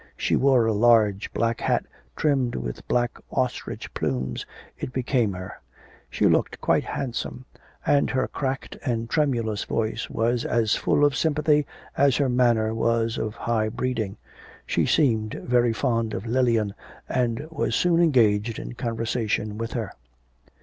She wore a large black hat trimmed with black ostrich plumes, it became her; she looked quite handsome, and her cracked and tremulous voice was as full of sympathy as her manner was of high breeding. She seemed very fond of Lilian, and was soon engaged in conversation with her.